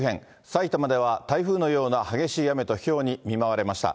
埼玉では台風のような激しい雨とひょうに見舞われました。